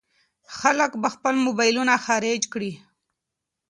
خلک به خپل موبایلونه چارج کړي.